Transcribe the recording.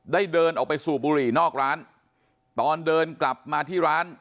เดินออกไปสูบบุหรี่นอกร้านตอนเดินกลับมาที่ร้าน